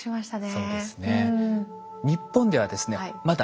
そうですか。